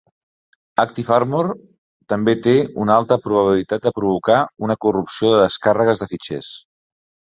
ActiveArmor també té una alta probabilitat de provocar una corrupció de descàrregues de fitxers.